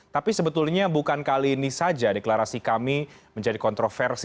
tapi sebetulnya bukan kali ini saja deklarasi kami menjadi kontroversi